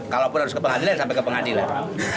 kalaupun harus ke pengadilan sampai ke pengadilan